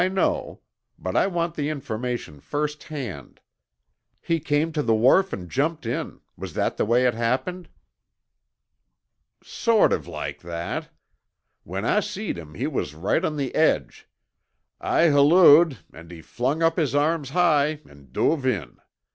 "I know. But I want the information first hand. He came to the wharf and jumped in. Was that the way it happened?" "Sort of like that. When I seed him he was right on the edge. I hallooed and he flung up his arms high and duve in.